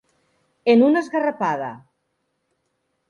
En una esgarrapada.